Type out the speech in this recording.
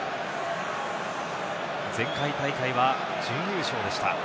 前回大会は準優勝でした。